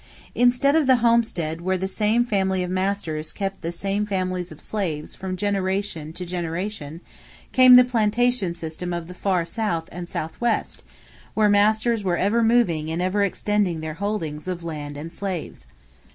Instead of the homestead where the same family of masters kept the same families of slaves from generation to generation, came the plantation system of the Far South and Southwest where masters were ever moving and ever extending their holdings of lands and slaves.